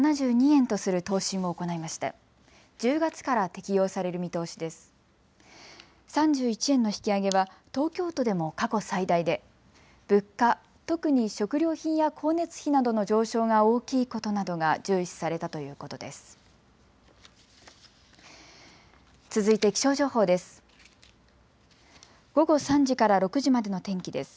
３１円の引き上げは東京都でも過去最大で、物価、特に食料品や光熱費などの上昇が大きいことなどが重視されたということです。